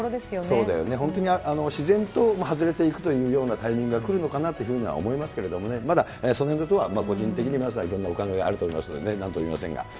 そうだよね、自然と、外れていくというようなタイミングが来るのかなとは思いますけどね、まだ、そのへんのところは個人的に、いろんなお考えがあると思いますので、なんともいえませんが。